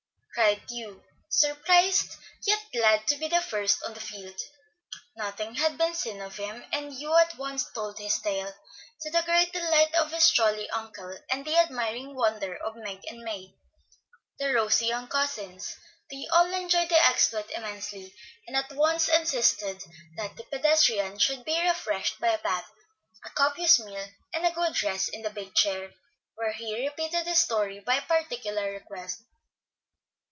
cried Hugh, surprised, yet glad to be the first on the field. Nothing had been seen of him, and Hugh at once told his tale, to the great delight of his jolly uncle, and the admiring wonder of Meg and May, the rosy young cousins. They all enjoyed the exploit immensely, and at once insisted that the pedestrian should be refreshed by a bath, a copious meal, and a good rest in the big chair, where he repeated his story by particular request.